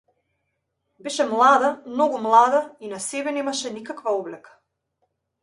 Беше млада, многу млада, и на себе немаше никаква облека.